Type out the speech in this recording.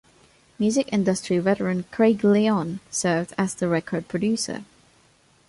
Music industry veteran Craig Leon served as the record producer.